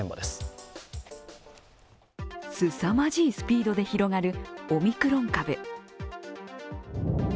すさまじいスピードで広がるオミクロン株。